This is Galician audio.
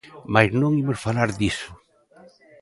Mais non imos falar diso.